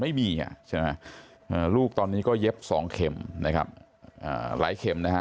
ไม่มีอ่ะใช่ไหมลูกตอนนี้ก็เย็บสองเข็มนะครับหลายเข็มนะฮะ